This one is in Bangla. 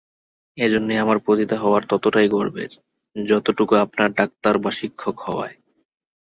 এইজন্যই আমার পতিতা হওয়ায় ততোটাই গর্বের, যতটুকু আপনার ডাক্তার বা শিক্ষক হওয়ায়।